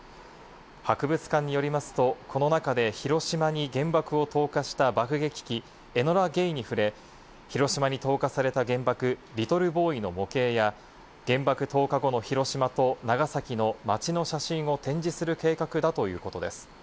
博物館によりますと、この中で広島に原爆を投下した爆撃機エノラ・ゲイに触れ、広島に投下された原爆・リトルボーイの模型や原爆投下後の広島と長崎の街の写真を展示する計画だということです。